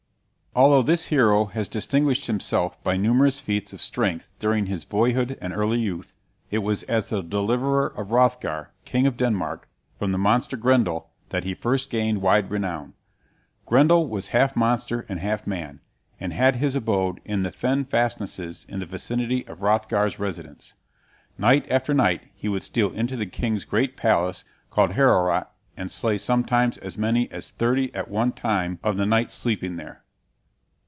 Although this hero had distinguished himself by numerous feats of strength during his boyhood and early youth, it was as the deliverer of Hrothgar, king of Denmark, from the monster Grendel that he first gained wide renown. Grendel was half monster and half man, and had his abode in the fen fastnesses in the vicinity of Hrothgar's residence. Night after night he would steal into the king's great palace called Heorot and slay sometimes as many as thirty at one time of the knights sleeping there.